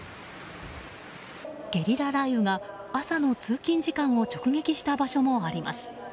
ゲリラ雷雨が朝の通勤時間帯を直撃した場所もあります。